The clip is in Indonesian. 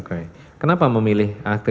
oke kenapa memilih